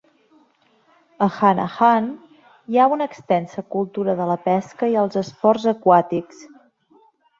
A Hanahan hi ha una extensa cultura de la pesca i els esports aquàtics.